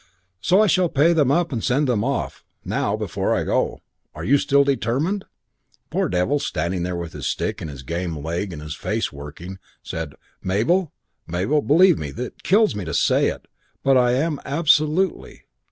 'So I shall pay them up and send them off, now, before I go. Are you still determined?' "The poor devil, standing there with his stick and his game leg, and his face working, said, 'Mabel, Mabel, believe me, it kills me to say it, but I am, absolutely.